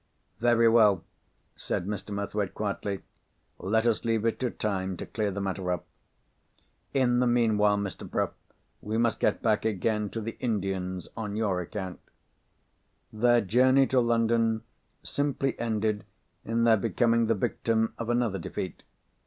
"Very well," said Mr. Murthwaite, quietly, "let us leave it to time to clear the matter up. In the meanwhile, Mr. Bruff, we must get back again to the Indians, on your account. Their journey to London simply ended in their becoming the victims of another defeat.